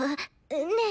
ねえ